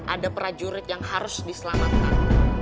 ada prajurit yang harus diselamatkan